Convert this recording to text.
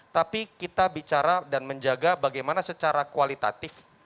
tapi kita bicara dan menjaga bagaimana secara kualitatif